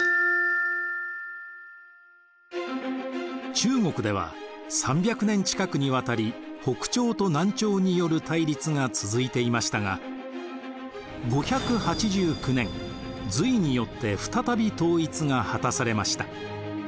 中国では３００年近くにわたり北朝と南朝による対立が続いていましたが５８９年隋によって再び統一が果たされました。